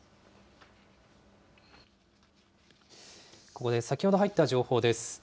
ここで先ほど入った情報です。